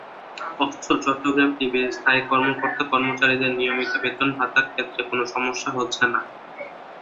অথচ চট্টগ্রাম টিভির স্থায়ী কর্মকর্তা-কর্মচারীদের নিয়মিত বেতন-ভাতার ক্ষেত্রে কোনো সমস্যা হচ্ছে না।